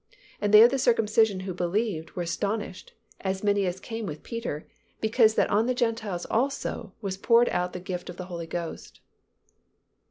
And they of the circumcision which believed were astonished, as many as came with Peter, because that on the Gentiles also was poured out the gift of the Holy Ghost."